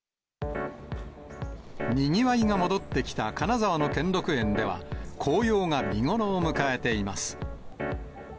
にぎわいが戻ってきた金沢の兼六園では、紅葉が見頃を迎えています。